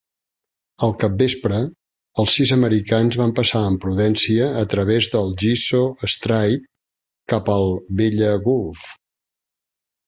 Al capvespre, els sis americans van passar amb prudència a través del Gizo Strait cap al Vella Gulf.